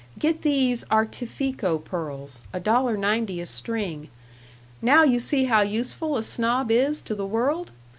Get these Artifico pearls, a dollar ninety a string.... Now you see how useful a snob is to the world!